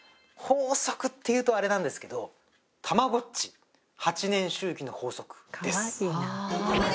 法則って言うとあれなんですけどたまごっち８年周期の法則です